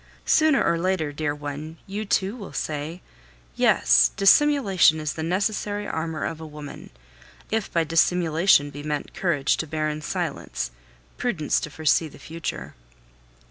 Sooner or later, dear one, you too will say, "Yes! dissimulation is the necessary armor of a woman, if by dissimulation be meant courage to bear in silence, prudence to foresee the future."